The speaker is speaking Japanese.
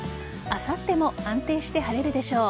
あさっても安定して晴れるでしょう。